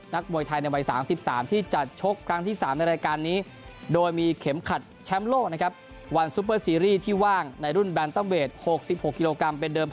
นักมวยไทยในวัย๓๓ที่จัดชกครั้งที่๓ในรายการนี้